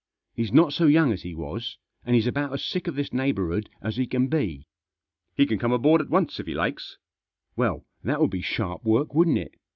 He's not so young as he was, and he's about as sick of this neighbourhood as he can be." w He can come aboard at once if he likes." M Well, that would be sharp work, wouldn't it?